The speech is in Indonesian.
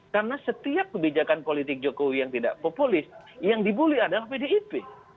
karena setiap kebijakan politik jokowi yang tidak populis yang dibully adalah pdip